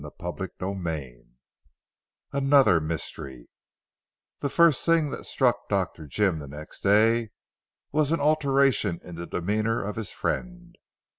CHAPTER XXI ANOTHER MYSTERY The first thing that struck Dr. Jim the next day, was an alteration in the demeanour of his friend.